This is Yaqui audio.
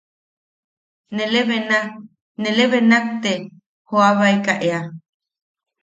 Nalebena, nalebenak te joobaeka ea.